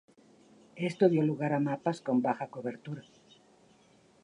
Esto dio lugar a mapas con baja cobertura.